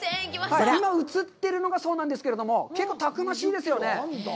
今、映ってるのがそうなんですけれども、結構たくましいですよね。